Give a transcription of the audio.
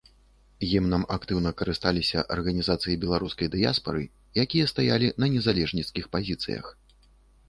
Гімнам актыўна карысталіся арганізацыі беларускай дыяспары, якія стаялі на незалежніцкіх пазіцыях.